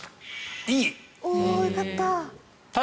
よかった。